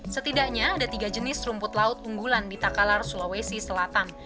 setidaknya ada tiga jenis rumput laut unggulan di takalar sulawesi selatan